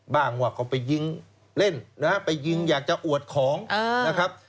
บ้างว่าเขาไปยิงเล่นนะครับไปยิงอยากจะอวดของนะครับ